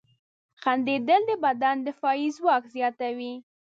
• خندېدل د بدن دفاعي ځواک زیاتوي.